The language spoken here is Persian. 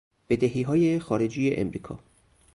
بدهیهای خارجی امریکا